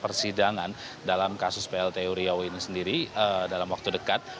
persidangan dalam kasus plt uriau ini sendiri dalam waktu dekat